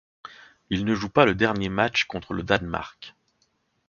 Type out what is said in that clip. Il ne joue pas le dernier match contre le Danemark.